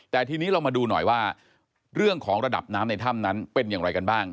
แต่ทีนี้เรามาดูหน่อยว่าเรื่องของระดับน้ำในถ้ำนั้นเป็นอย่างไรกันบ้าง